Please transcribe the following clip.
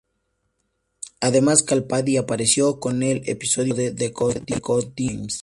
Además, Capaldi apareció en el episodio piloto de "The Goodwin Games".